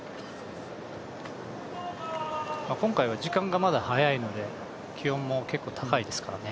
今回は時間がまだ早いので気温も高いですからね。